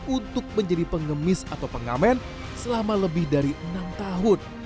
untuk menjadi pengemis atau pengamen selama lebih dari enam tahun